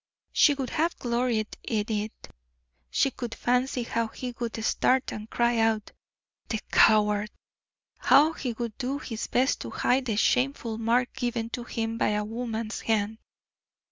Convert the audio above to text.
She would have gloried in it. She could fancy how he would start and cry out, the coward! how he would do his best to hide the shameful mark given to him by a woman's hand.